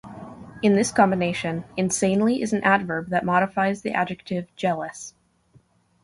In this combination, "insanely" is an adverb that modifies the adjective "jealous".